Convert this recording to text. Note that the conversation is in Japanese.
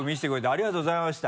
ありがとうございます。